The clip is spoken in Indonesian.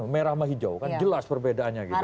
merah sama hijau kan jelas perbedaannya gitu